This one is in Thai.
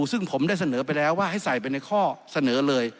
ซึ่งผมได้เสนอไปแล้วว่าให้ใส่ไปในข้อเสนอเลย